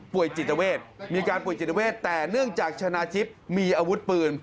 จิตเวทมีการป่วยจิตเวทแต่เนื่องจากชนะทิพย์มีอาวุธปืน